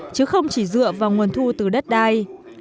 chứ không chỉ dựa vào nguồn thu từ đất đai